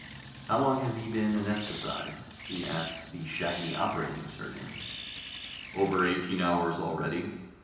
"How long has he been anaesthetized?" he asked the shaggy operating surgeon. "Over eighteen hours already."